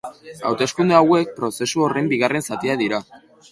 Hauteskunde hauek prozesu horren bigarren zatia dira.